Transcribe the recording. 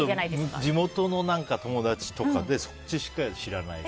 あと地元の友達とかでそっちしか知らないとか。